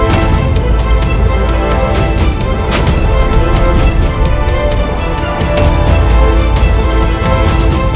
ajarannya itu sama sekali